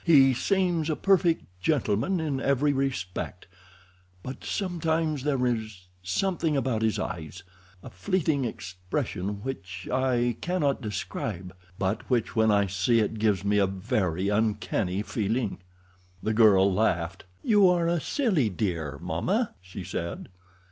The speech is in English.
"He seems a perfect gentleman in every respect, but sometimes there is something about his eyes—a fleeting expression which I cannot describe, but which when I see it gives me a very uncanny feeling." The girl laughed. "You are a silly dear, mamma," she said.